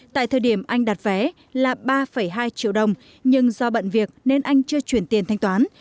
tại thời điểm anh đặt vé là ba hai triệu đồng nhưng do bận việc nên anh chưa chuyển tiền thanh toán